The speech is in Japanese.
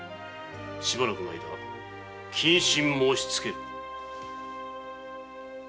しばらくの間謹慎を申しつける。